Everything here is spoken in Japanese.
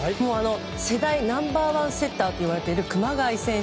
世代ナンバー１セッターといわれている熊谷選手。